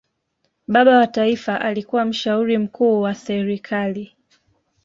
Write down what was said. baba wa taifa alikuwa mshauri mkuu wa serikali